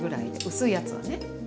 薄いやつはね。